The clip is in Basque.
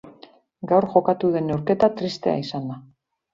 Gaur jokatu den neurketa tristea izan da.